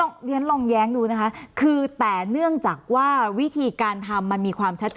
เดี๋ยวฉันลองแย้งดูนะคะคือแต่เนื่องจากว่าวิธีการทำมันมีความชัดเจ